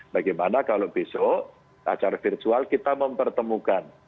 bagaimana kalau besok acara virtual kita mempertemukan